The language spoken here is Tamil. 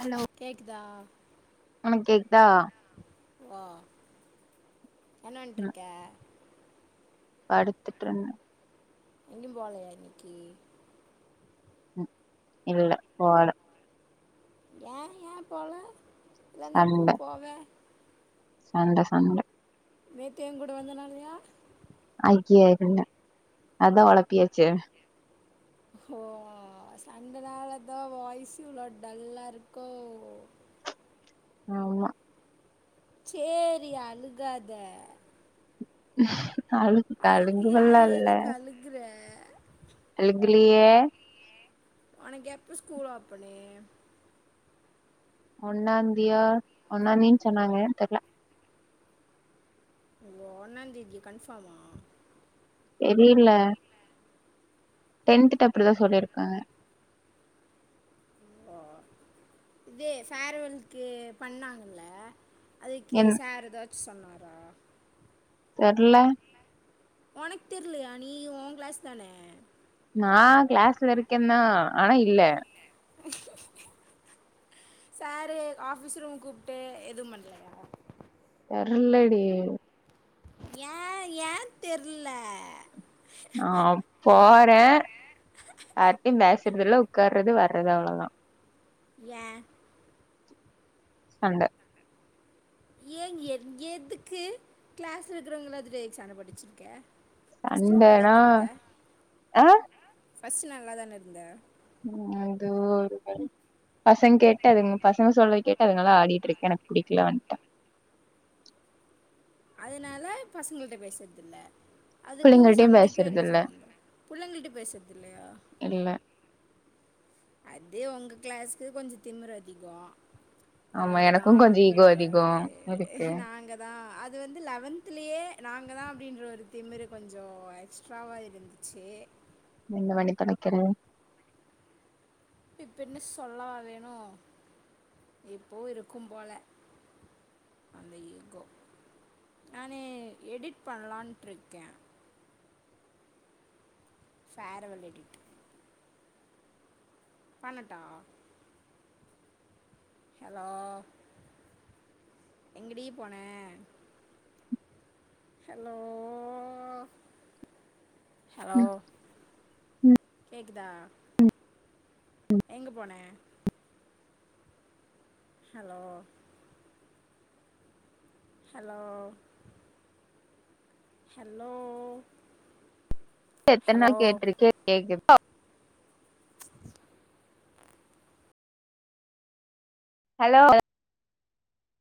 ஹலோ கேக்குதா உனக்கு கேக்குதா ஓ என்ன பண்ணிட்டு ம் இருக்க படுத்துட்டு இருந்த எங்கியு போலயா இன்னிக்கி உம் இல்ல போல ஏன் ஏன் போல இல்லன்னா எப்போ சண்ட போவ சண்ட சண்ட நேத்து என் கூட வந்த நாளயா ஐய் ய இல்ல அதா ஒளப்பியாச்சு ஓ சண்ட நாலதா வாய்ஸ் இவ்ளோ டல்லா இருக்கோ ஆமா சேரி அழுகாத அழுகு அல் அழுங்கு யா- வல்லா இல்ல எதுக்கு அழுகுற அழுகுலியே ஒனக்கு எப்ப ஸ்கூல் ஓப்பனே ஒன்னாந்தியா ஒன்னாந்தின் சொன்னாங்க தெர்ல ஒ ஒன்னாந்தேதியா கன்ஃபாமா தெரியில்ல டென்த்துட்ட அப்டிதா சொல்லிருக்காங்க ஓ இது ஃபேரவல்க்கு பண்ணாங்கள்ல அதுக்கெ என் சார் எதாச்சு சொன்னாரா தெர்ல ஒனக் தெர்லியா நீ உ கிளாஸ் தான நா கிளாஸ்ல இருக்கெந்தா ஆனா இல்ல சாரு ஆஃபிஸ் ரூம் கூப்ட்டு எதும் பண்லயா தெர்ல்லடி ஏ ஏந் தெர்ல ஆ போ வே யார்டியு பேசுறதில்ல உக்கார்றது வர்றது அவ்ளதா ஏ சண்ட ஏன் என் எதுக்கு கிளாஸ்ல இருக்றவங் எல்லாத்துடியு எதுக் சண்ட போட்டு வெச்சிருக்க சண்டனா எ ஃபஸ்ட் நல்லாதான இருந்த ம் அது ஒரு வலி பசங் கேட்டு அதுங் பசங்க சொல்றது கேட்டு அதுங்கல்லா‌ ஆடிட்ருக்கு எனக் புடிக்ல வந்ட்ட அதனால பசங்கள்ட்ட பேசத்தில்ல அதுக்கு பிள்ளைங்கள்ட்டயு சண்டைக்கு பேசுறது என்ன இல்ல சம்பந்தம் புள்ளங்கிள்ட்ட பேசத்தில்லையா வெ அது ஒங்க க்ளாஸ்க்கு கொஞ்ச திமுரு அதிகோ ஆமா நாங்கதா எனக்கு கொஞ்சோ ஈகோ அப்டின்ற அதிகோ ஒரு இருக்கு நாங்கதா அ து வந்து லவன்திலியே நாங்கதா அப்டின்ற ஒரு திமிரு கொஞ்சோ எக்ஸ்ட்ராவா இருந்திச்சி இந்த [unintelligible] ‌ வெக்கறே இப்பென்ன சொல்லவா வேணு இப்போவு இருக்கும் போல அந்த ஈகோ நானு எடிட் பண்லான்ட்ருக்கே ஃபேரவல் எடிட்டு பண்ணட்டா ஹலோ எங்கிடி போன ஹலோ ஹலோ கேக்குதா எங்க போன ஹலோ ஹலோ ஹல்லோ எத்தன்நாள் கேட்டிருக்கே [inaudible] ஹலோ